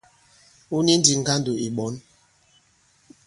Wu ni ndī ŋgandò ì ɓɔ̌n.